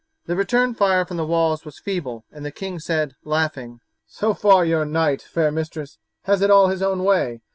The return fire from the walls was feeble, and the king said, laughing, "So far your knight, fair mistress, has it all his own way.